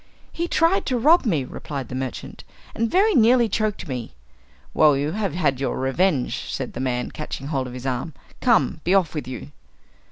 "He tried to rob me," replied the merchant, "and very nearly choked me." "Well, you have had your revenge," said the man, catching hold of his arm. "Come, be off with you!"